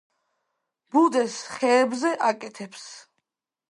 ბუდეს ხეებზე აკეთებს.